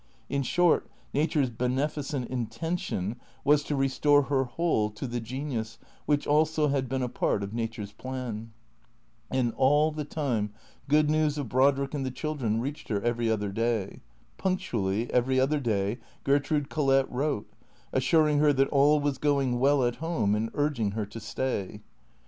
In short. Nature's beneficent intention was to restore her whole to the genius which also had been a part of Nature's plan. And all the time good news of Brodrick and the children reached her every other day. Punctually, every other day Ger trude Collett wrote, assuring her that all was going well at home and urging her to stay.